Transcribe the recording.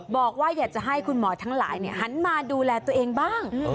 บอกว่าอยากจะให้คุณหมอทั้งหลายหันมาดูแลตัวเองบ้าง